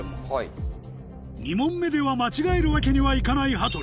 ２問目では間違えるわけにはいかない羽鳥